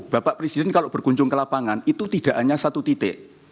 bapak presiden kalau berkunjung ke lapangan itu tidak hanya satu titik